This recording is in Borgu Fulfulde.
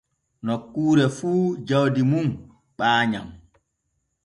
Nokkuure fu jawdi mum ɓaayam.